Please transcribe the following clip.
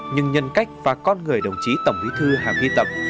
nhưng nhân cách và con người đồng chí tổng bí thư hà huy tập